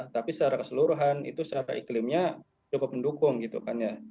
tapi secara keseluruhan itu secara iklimnya cukup mendukung gitu kan ya